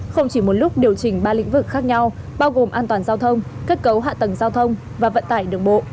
không chỉ một lúc điều chỉnh ba lĩnh vực khác nhau bao gồm an toàn giao thông kết cấu hạ tầng giao thông và vận tải đường bộ